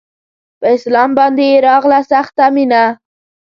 په اسلام باندې يې راغله سخته مينه